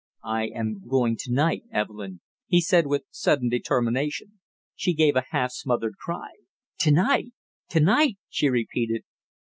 "I am going to night, Evelyn," he said with sudden determination. She gave a half smothered cry. "To night! To night!" she repeated.